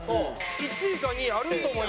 １位か２位あると思いますよ。